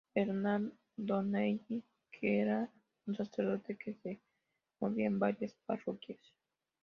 Bernard Donnelly que era un sacerdote que se movía en varias parroquias.